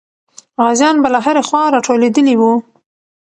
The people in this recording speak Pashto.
غازیان به له هرې خوا راټولېدلې وو.